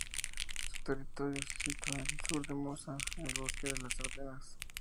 Su territorio se situaba al sur del Mosa, en el bosque de las Ardenas.